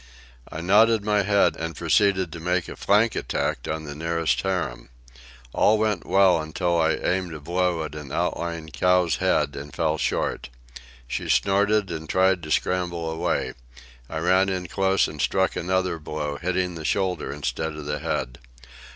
I nodded my head and proceeded to make a flank attack on the nearest harem. All went well until I aimed a blow at an outlying cow's head and fell short. She snorted and tried to scramble away. I ran in close and struck another blow, hitting the shoulder instead of the head.